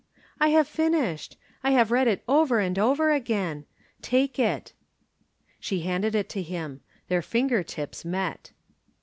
"I have finished. I have read it over and over again. Take it." She handed it to him. Their finger tips met.